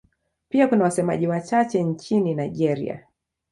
Pia kuna wasemaji wachache nchini Nigeria.